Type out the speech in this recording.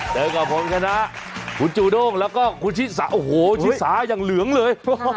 เจอกับผมชนะคุณจูด้งแล้วก็คุณชิสาโอ้โหชิสาอย่างเหลืองเลย